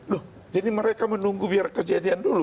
loh jadi mereka menunggu biar kejadian dulu